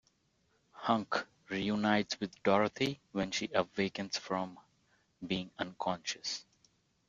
Hunk reunites with Dorothy when she awakens from being unconscious.